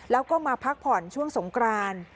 แล้วก็มาพักผ่อนช่วงสงกราน